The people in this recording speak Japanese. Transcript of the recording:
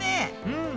うん！